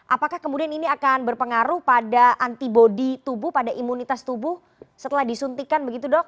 apakah kemudian ini akan berpengaruh pada antibody tubuh pada imunitas tubuh setelah disuntikan begitu dok